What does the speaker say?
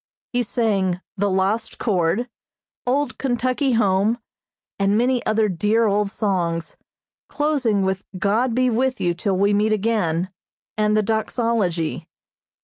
He sang the "Lost Chord," "Old Kentucky Home," and many other dear old songs, closing with "God Be With You Till We Meet Again," and the doxology.